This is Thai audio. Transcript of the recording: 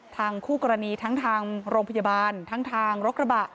คู่กรณีทั้งทางโรงพยาบาลทั้งทางรถกระบะ